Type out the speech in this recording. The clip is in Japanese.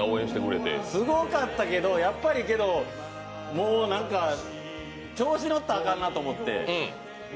すごかったけど、やっぱりけど調子のったらあかんなと思って。